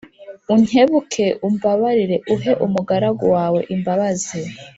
Unkebuke umbabarire Uhe umugaragu wawe imbabazi